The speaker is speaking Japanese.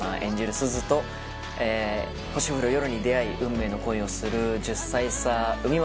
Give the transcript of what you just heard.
鈴と星降る夜に出会い運命の恋をする１０歳差海街